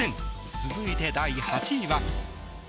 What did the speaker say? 続いて、第８位は。